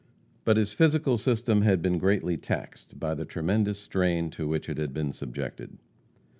But his physical system had been greatly taxed by the tremendous strain to which it had been subjected.